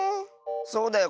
そうだよ